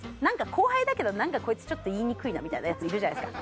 後輩だけど何かこいつちょっと言いにくいなみたいなヤツいるじゃないですか